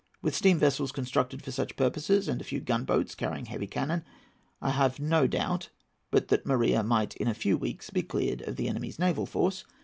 With steam vessels constructed for such purposes, and a few gunboats carrying heavy cannon, I have no doubt but that the Morea might in a few weeks be cleared of the enemy's naval force.